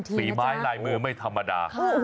ฝีไม้ลายมือไม่ธรรมดา